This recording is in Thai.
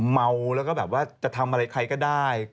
เมาแล้วก็แบบว่าจะทำอะไรใครก็ได้